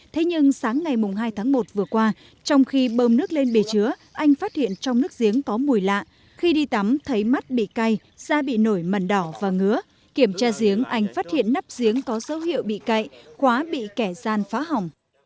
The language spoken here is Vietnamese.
thế nhưng sáng ngày hai tháng một vừa qua trong khi bơm nước lên bề chứa anh phát hiện trong nước giếng có mùi lạ khi đi tắm thấy mắt bị cay da bị nổi mẩn đỏ và ngứa kiểm tra giếng anh phát hiện nắp giếng có dấu hiệu bị cậy khóa bị kẻ gian phá hỏng